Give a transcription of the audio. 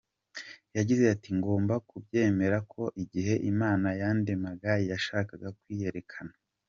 Yagize ati “Ngomba kubyemera ko igihe Imana yandemaga yashakaga kwiyerekana”.